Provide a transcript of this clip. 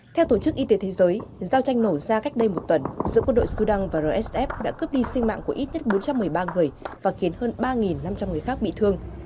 theo tổ chức y tế thế giới giao tranh nổ ra cách đây một tuần giữa quân đội sudan và rsf đã cướp đi sinh mạng của ít nhất bốn trăm một mươi ba người và khiến hơn ba năm trăm linh người khác bị thương